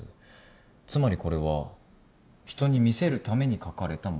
つまりこれは人に見せるために書かれたもの。